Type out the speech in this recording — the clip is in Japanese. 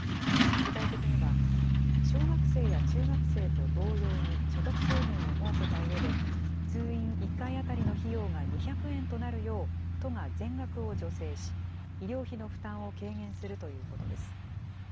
具体的には、小学生や中学生と同様に所得制限を設けたうえで、通院１回当たりの費用が２００円となるよう、都が全額を助成し、医療費の負担を軽減するということです。